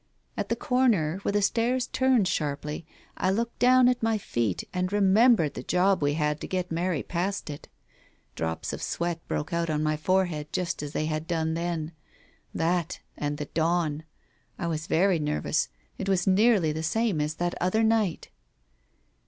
At the corner where the stairs turned sharply, I looked down at my feet and remembered the job we had to get Mary past it ! Drops of sweat broke Digitized by Google 202 TALES OF THE UNEASY out on my forehead just as they had done then. That and the dawn f I was very nervous. It was nearly the same as that other night.